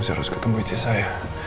saya harus ketemu istri saya